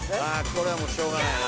これはもうしょうがないな。